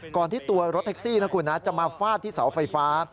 ก่อนที่ตัวรถแท็กซี่จะมาฟาดที่เสาไฟฟ้า